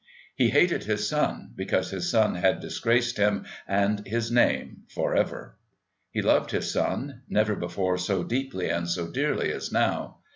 He hated his son because his son had disgraced him and his name for ever. He loved his son, never before so deeply and so dearly as now.